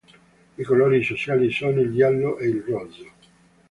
I colori sociali sono il giallo e il rosso.